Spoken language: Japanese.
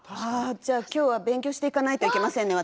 じゃあ今日は勉強していかないといけませんね